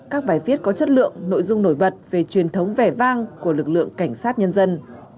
các bài viết có chất lượng nội dung nổi bật về truyền thống vẻ vang của lực lượng cảnh sát nhân dân